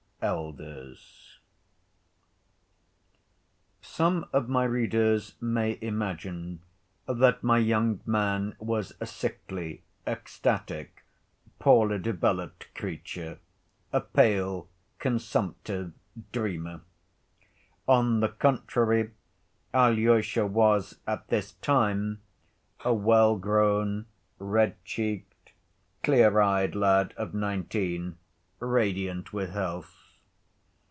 Elders Some of my readers may imagine that my young man was a sickly, ecstatic, poorly developed creature, a pale, consumptive dreamer. On the contrary, Alyosha was at this time a well‐grown, red‐cheeked, clear‐eyed lad of nineteen, radiant with health.